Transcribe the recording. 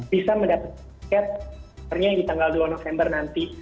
bisa mendapatkan tiket di tanggal dua november nanti